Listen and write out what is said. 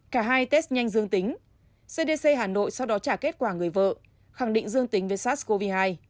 cả hai test nhanh dương tính cdc hà nội sau đó trả kết quả người vợ khẳng định dương tính với sars cov hai